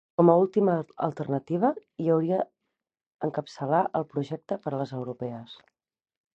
Com a última alternativa, hi hauria encapçalar el projecte per a les europees.